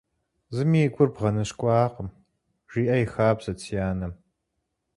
«Зыми и гур бгъэныщкӏуакъым», жиӏэ и хабзэт си анэм.